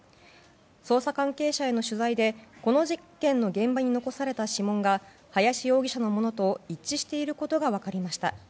捜査関係者への取材でこの事件の現場に残された指紋が林容疑者のものと一致していることが分かりました。